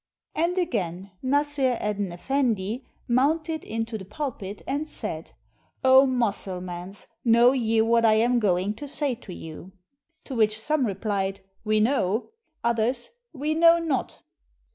And again Nassr Eddyn Efifendi mounted into the pulpit and said :— "0 Mussulmans, know ye what I am going to say to you?" To which some replied, "We know"; others, "We know not."